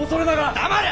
黙れ！